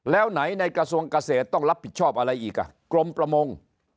แล้วไหนในกระทรวงเกษตรต้องรับผิดชอบอะไรอีกอ่ะกรมประมง